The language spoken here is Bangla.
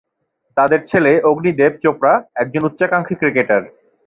তাঁদের ছেলে অগ্নি দেব চোপড়া একজন উচ্চাকাঙ্ক্ষী ক্রিকেটার।